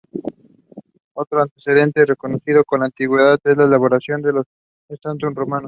Otro antecedente conocido en la antigüedad es la elaboración de los scutum romanos.